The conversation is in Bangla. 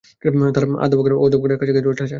তা পাকা, অর্ধপাকা ও কাঁচা খেজুরে ঠাসা।